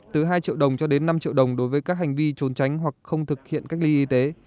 từ hai triệu đồng cho đến năm triệu đồng đối với các hành vi trốn tránh hoặc không thực hiện cách ly y tế